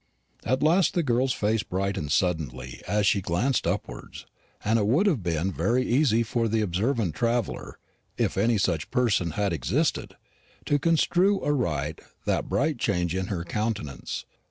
At last the girl's face brightened suddenly as she glanced upwards; and it would have been very easy for the observant traveller if any such person had existed to construe aright that bright change in her countenance.